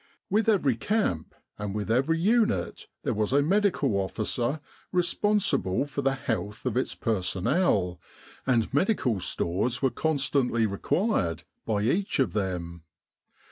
With every camp and with every unit there was a Medical Officer responsible for the health of its personnel, and medical stores were constantly required by each of them.